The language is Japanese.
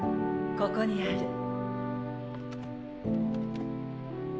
ここにある。